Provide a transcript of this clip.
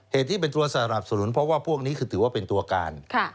ที่เป็นตัวสนับสนุนเพราะว่าพวกนี้คือถือว่าเป็นตัวการ